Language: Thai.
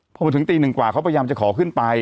พอมาถึงตีหนึ่งกว่าเขาพยายามจะขอขึ้นไป